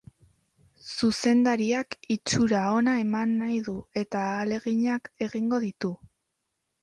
Zuzendariak itxura ona eman nahi du eta ahaleginak egingo ditu.